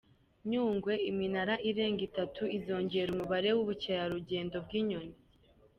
Nyungwe Iminara irenga itatu izongera umubare w’ubukerarugendo bw’inyoni